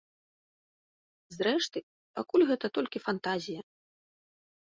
Зрэшты, пакуль гэта толькі фантазія.